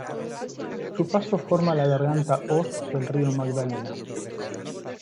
Su paso forma la garganta Hoz del Río Magdalena.